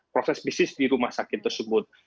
proses bisnis di rumah sakit tersebut